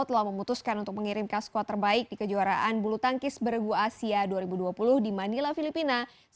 telah memutuskan untuk mengirim kaskuat terbaik di kejuaraan bulu tangkis berigu asia dua ribu dua puluh di manila filipina